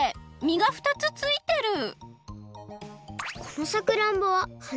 みがふたつついてる！